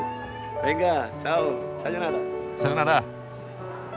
さよなら。